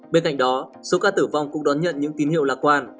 bên cạnh đó số ca tử vong cũng đón nhận những tín hiệu lạc quan